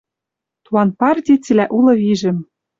Туан парти цилӓ улы вижӹм